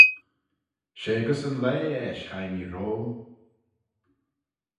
She gys yn leih esht hie mee rooam.